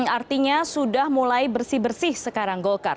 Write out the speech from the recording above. artinya sudah mulai bersih bersih sekarang golkar